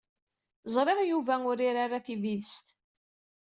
Ẓriɣ Yuba ur iri ara tibidest.